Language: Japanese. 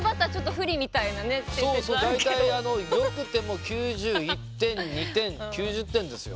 そうそう大体よくても９１点９２点９０点ですよ？